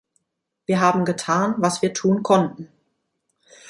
Wir haben getan, was wir tun konnten.